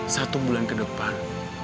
satu bulan ke depan